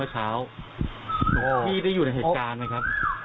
ค่า